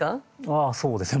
あそうですね。